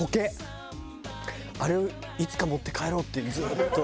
あれをいつか持って帰ろうってずっと。